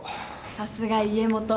さすが家元。